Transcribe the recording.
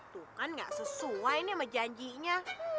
tuh kan gak sesuai nih sama janjinya